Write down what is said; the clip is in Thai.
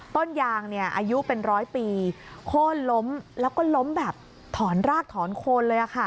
ต้นยางอายุเป็นร้อยปีโค้นล้มแล้วก็ล้มแบบถอนรากถอนโคนเลย